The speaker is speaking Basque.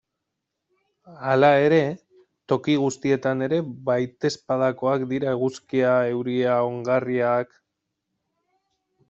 Hala ere, toki guztietan ere baitezpadakoak dira eguzkia, euria, ongarriak...